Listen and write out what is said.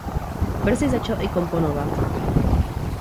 Brzy začal i komponovat.